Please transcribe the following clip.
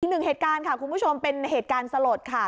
หนึ่งเหตุการณ์ค่ะคุณผู้ชมเป็นเหตุการณ์สลดค่ะ